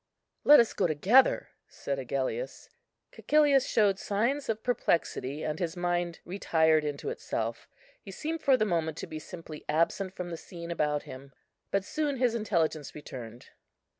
"Let us go together," said Agellius. Cæcilius showed signs of perplexity, and his mind retired into itself. He seemed for the moment to be simply absent from the scene about him, but soon his intelligence returned.